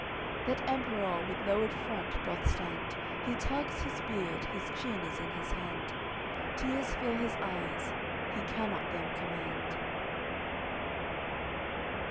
That Emperour with lowered front doth stand, He tugs his beard, his chin is in his hand Tears fill his eyes, he cannot them command.